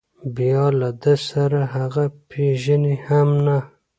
بیا له ده سره هغه پېژني هم نه.